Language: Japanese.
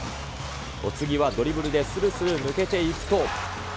お次はドリブルでするする抜けていくと。